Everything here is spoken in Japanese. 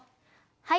はい。